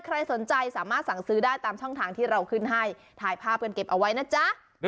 ใครสนใจสามารถสั่งซื้อได้ตามช่องทางที่เราขึ้นให้ถ่ายภาพกันเก็บเอาไว้นะจ๊ะ